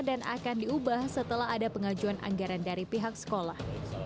dan akan diubah setelah ada pengajuan anggaran dari pihak sekolah